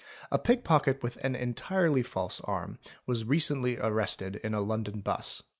A pick pocket with an entirely false arm was recently arrested in a London bus.